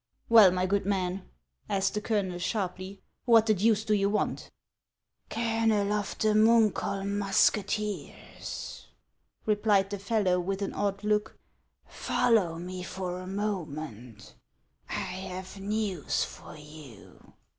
" Well, my good man," asked the colonel, sharply, " what the deuce do you want ?"" Colonel of the Munkholm musketeers," replied the fellow, with an odd look, " follow me for a moment ; I have news for you."